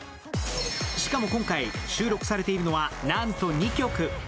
しかも今回、収録されているのはなんと２曲。